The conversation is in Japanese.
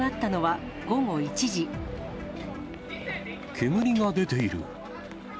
煙が出ている。